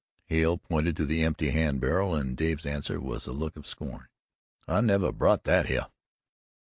Hale pointed to the empty hand barrel and Dave's answer was a look of scorn. "I nuvver brought that hyeh."